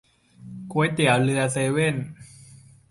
ก๋วยเตี๋ยวเรือเซเว่น